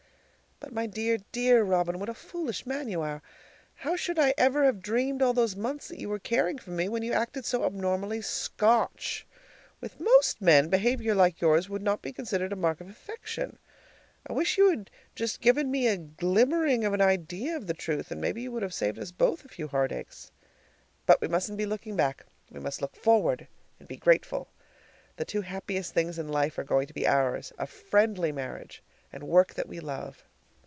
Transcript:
But my dear, dear Robin, what a foolish man you are! How should I ever have dreamed all those months that you were caring for me when you acted so abominably S C O T C H? With most men, behavior like yours would not be considered a mark of affection. I wish you had just given me a glimmering of an idea of the truth, and maybe you would have saved us both a few heartaches. But we mustn't be looking back; we must look forward and be grateful. The two happiest things in life are going to be ours, a FRIENDLY marriage and work that we love.